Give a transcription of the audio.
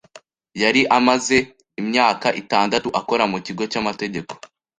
Yari amaze imyaka itandatu akora mu kigo cy'amategeko.